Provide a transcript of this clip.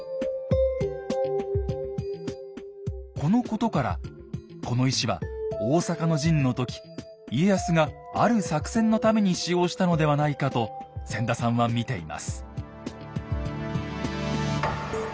このことからこの石は大坂の陣の時家康がある作戦のために使用したのではないかと千田さんは見ています。